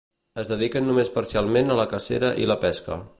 Es dediquen només parcialment a la cacera i la pesca.